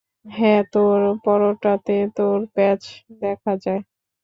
হ্যাঁঁ, তোর পরোটাতে তোর প্যাচ দেখা যায়।